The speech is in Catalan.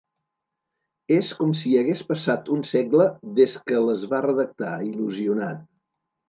És com si hagués passat un segle des que les va redactar, il·lusionat.